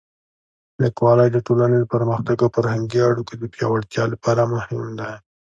لیکوالی د ټولنې د پرمختګ او فرهنګي اړیکو د پیاوړتیا لپاره مهم دی.